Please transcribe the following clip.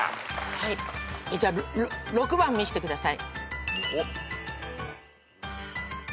はいじゃ６番見してください。